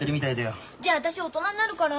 じゃ私大人になるから。